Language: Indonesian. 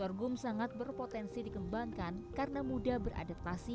sorghum sangat berpotensi dikembangkan karena mudah beradaptasi